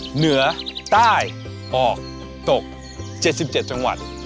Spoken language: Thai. เหนือใต้ออกตก๗๗จังหวัด